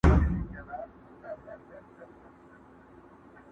ته بچی د بد نصیبو د وطن یې.!